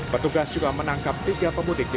petugas juga menangkap tiga pemudik